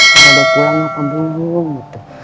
kalau udah pulang apa belum nunggu gitu